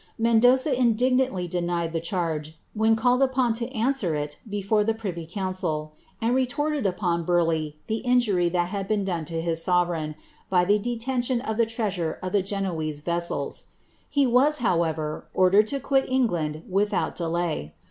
Mendo^a indignantly denied the charge, when called upon to answer it, before the privy council, and retorted upon Burleigh the injury that had been done to his sovereign, by the detention of the treasure in the Genoese vessels.* He was, how ever, ordered to quit England without delay.